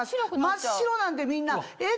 真っ白なんでみんなえっ！